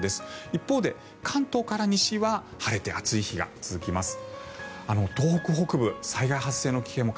一方で、関東から西は晴れて暑い日が続きます。